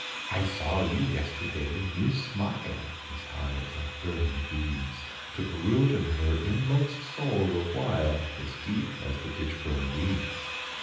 "I saw you yesterday. You smile." His eyes, like burning beads, Took root in her inmost soul the while, As deep as the ditch grown weeds.